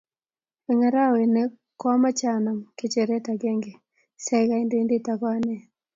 Eng arawat ni koameche anam kecheret agenge siaek kandoindet ako ane